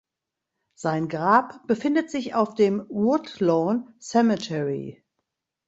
Sein Grab befindet sich auf dem Woodlawn Cemetery.